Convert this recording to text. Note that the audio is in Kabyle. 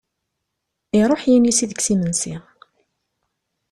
Iṛuḥ inisi deg-s imensi!